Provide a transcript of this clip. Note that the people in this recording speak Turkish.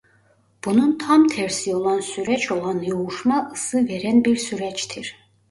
Bunun tam tersi olan süreç olan yoğuşma ısı veren bir süreçtir.